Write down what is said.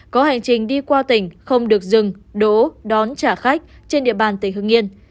có hành trình đi qua tỉnh không được dừng đổ đón trả khách trên địa bàn tỉnh hương yên